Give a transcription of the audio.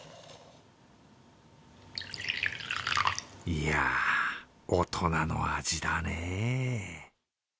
いやあ、大人の味だね。